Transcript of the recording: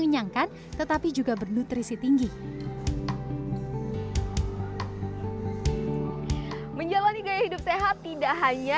jangan lupa like share dan subscribe ya